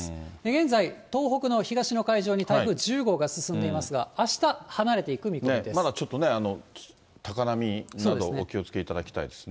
現在、東北の東の海上に台風１０号が進んでいますが、あした離れていくまだちょっとね、高波などお気をつけいただきたいですね。